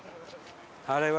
あれは。